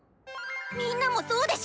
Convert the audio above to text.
みんなもそうでしょ？